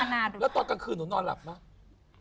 แล้วตอนกลางคืนหนูนอนหลับไหม